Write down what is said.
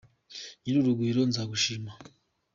Nyir'urugwiro nzagushima